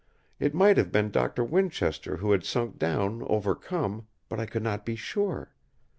It might have been Doctor Winchester who had sunk down overcome; but I could not be sure.